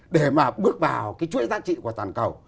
để mà bước vào cái chuỗi giá trị của toàn cầu